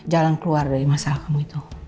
jalan keluar dari masalah kamu itu